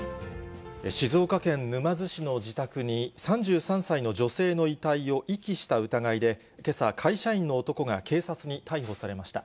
静岡県沼津市の自宅に、３３歳の女性の遺体を遺棄した疑いで、けさ、会社員の男が警察に逮捕されました。